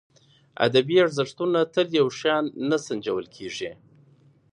ادبي ارزښتونه تل یو شان نه سنجول کېږي.